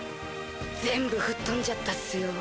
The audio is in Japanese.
全部吹っ飛んじゃったっすよ。